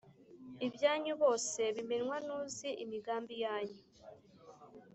Ibyanyu bose bimenywa nuzi imigami yanyu